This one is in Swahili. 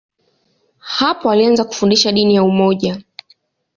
Hapo alianza kufundisha dini ya umoja.